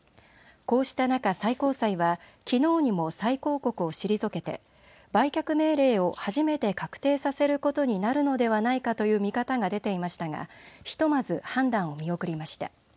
こうした中、最高裁はきのうにも再抗告を退けて売却命令を初めて確定させることになるのではないかという見方が出ていましたがひとまず判断を見送りました。